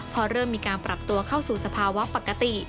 พอเริ่มมีการปรับตัวเข้าสู่สภาวะปกติ